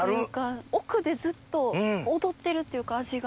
奥でずっと踊ってるっていうか味が。